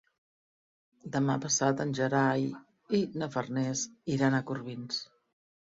Demà passat en Gerai i na Farners iran a Corbins.